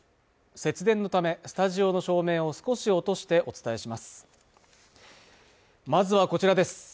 節電のためスタジオの照明を少し落としてお伝えします